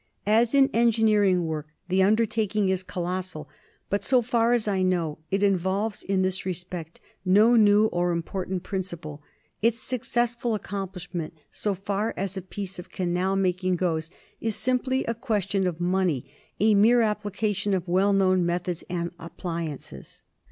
* As an engineering work the undertaking is colossal, but so far as I know it involves in this respect no new or important principle ; its successful accomplishment, so far as a piece of canal making goes, is simply a question of money, a mere application of well known methods and appliances.